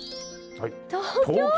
東京？